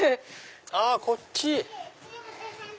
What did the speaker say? あっこっち！